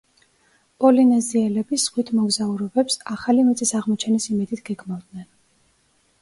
პოლინეზიელები ზღვით მოგზაურობებს ახალი მიწის აღმოჩენის იმედით გეგმავდნენ.